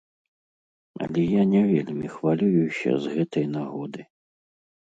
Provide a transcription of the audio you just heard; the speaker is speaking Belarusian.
Але я не вельмі хвалююся з гэтай нагоды.